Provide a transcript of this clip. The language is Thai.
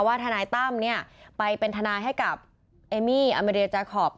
ทนายตั้มเนี่ยไปเป็นทนายให้กับเอมี่อเมริยจาคอป